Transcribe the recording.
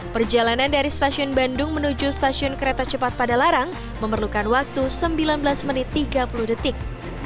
perjalanan dari stasiun bandung menuju stasiun kereta cepat padalarang memerlukan waktu sembilan belas menit tiga puluh detik